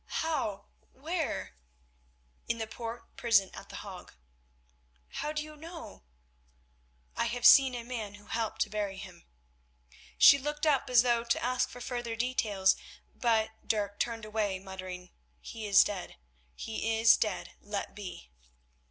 "How? Where?" "In the Poort prison at The Hague." "How do you know?" "I have seen a man who helped to bury him." She looked up as though to ask for further details, but Dirk turned away muttering, "He is dead, he is dead, let be."